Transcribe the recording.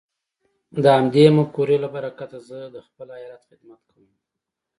د همدې مفکورې له برکته زه د خپل ايالت خدمت کوم.